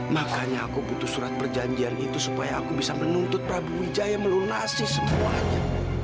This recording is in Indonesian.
makanya aku butuh surat perjanjian itu supaya aku bisa menuntut prabu wijaya melunasi semuanya